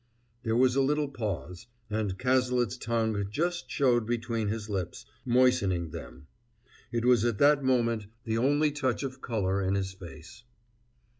There was a little pause, and Cazalet's tongue just showed between his lips, moistening them. It was at that moment the only touch of color in his face.